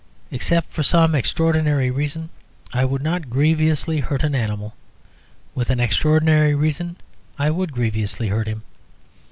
Except for some extraordinary reason I would not grievously hurt an animal; with an extraordinary reason I would grievously hurt him.